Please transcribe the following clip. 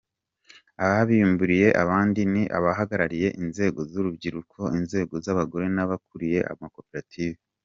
Ababimburiye abandi ni abahagarariye inzego z’urubyiruko, inzego z’abagore n’abakuriye amakoperative.